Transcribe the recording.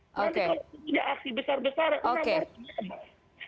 nanti kalau tidak aksi besar besaran